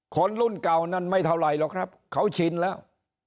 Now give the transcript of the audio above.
คนรุ่นเก่านั้นไม่เท่าไหร่หรอกครับเขาชินแล้ว